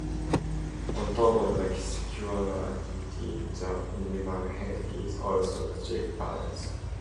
On top of secular activities, the lineage head is also the chief priest.